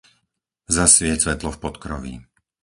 Zasvieť svetlo v podkroví.